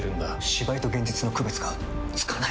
芝居と現実の区別がつかない！